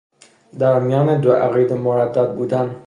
در میان دو عقیده مردد بودن